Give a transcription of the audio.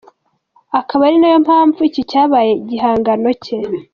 Akab’ ari nayo mpamvu iki cyabaye igihangano cye.